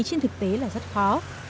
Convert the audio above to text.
trên thực tế là rất khó